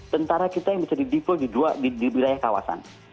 tentara kita yang bisa di depo di wilayah kawasan